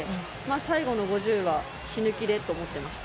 最後の５０は死ぬ気でと思ってました。